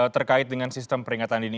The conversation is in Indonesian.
terkait dengan sistem peringatan dini